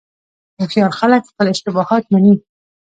هوښیار خلک خپل اشتباهات مني.